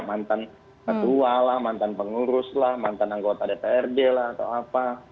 mantan ketua lah mantan pengurus lah mantan anggota dprd lah atau apa